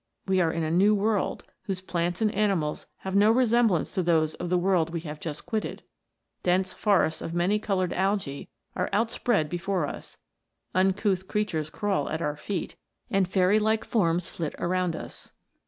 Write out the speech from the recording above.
We are in a new world, whose plants and animals have no resemblance to those of the world we have just quitted. Dense forests of many coloured algoe are outspread before us ; uncouth creatures crawl at our feet, and fairy like forms flit around us.